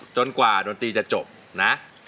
กว่าดนตรีจะจบนะ